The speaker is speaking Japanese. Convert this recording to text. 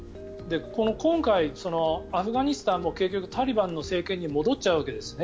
今回、アフガニスタンも結局タリバンの政権に戻っちゃうわけですね。